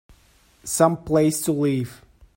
Some place to live!